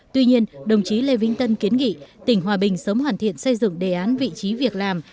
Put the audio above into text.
tuy nhiên đồng chí lê vĩnh tân kiến nghị tỉnh hòa bình sớm hoàn thiện xây dựng đề án vị trí việc làm